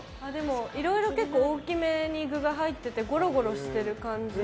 いろいろ大きめに具が入っていてゴロゴロしてる感じで。